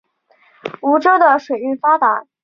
梧州的水运发达。